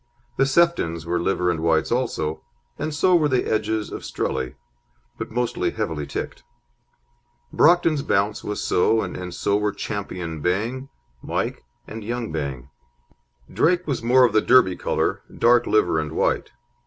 The Seftons were liver and whites also, and so were the Edges of Strelly, but mostly heavily ticked. Brockton's Bounce was so, and so were Ch. Bang, Mike, and Young Bang. Drake was more of the Derby colour; dark liver and white.